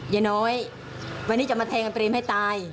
ยายน้อยวันนี้จะมาแทงเปรมให้ตาย